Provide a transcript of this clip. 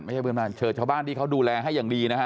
ไม่ใช่เพื่อนบ้านเจอชาวบ้านที่เขาดูแลให้อย่างดี